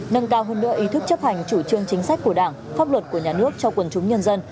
nâng cao hơn nữa ý thức chấp hành chủ trương chính sách của đảng pháp luật của nhà nước cho quần chúng nhân dân